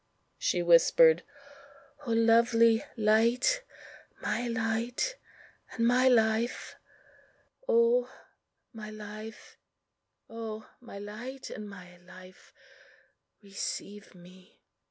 she whispered, "O lovely Light, my light and my life! O my Light and my Life, receive me!"